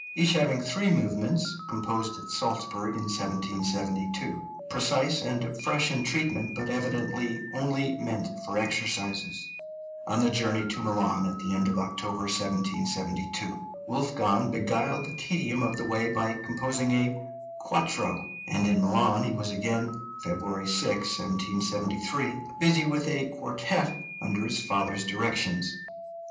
each having three movements, composed at Salzburg in 1772, precise and fresh in treatment, but evidently only meant for exercises. On the journey to Milan at the end of October, 1772, Wolfgang beguiled the tedium of the way by composing a "quattro"; and in Milan he was again (February 6, 1773) busy with a quartet under his father's directions.